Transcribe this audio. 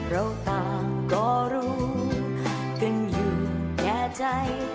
เราต่างก็รู้กันอยู่แก่ใจ